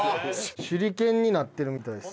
手裏剣になってるみたいです。